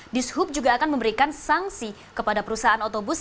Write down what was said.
dishub juga akan memberikan sanksi kepada perusahaan otobus